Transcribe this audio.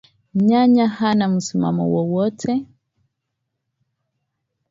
Nyanya hana msimamo wowote.